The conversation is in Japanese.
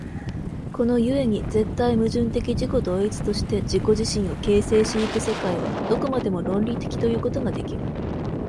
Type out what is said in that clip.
この故に絶対矛盾的自己同一として自己自身を形成し行く世界は、どこまでも論理的ということができる。